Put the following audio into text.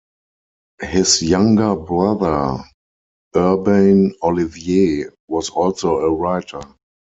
His younger brother, Urbain Olivier, was also a writer.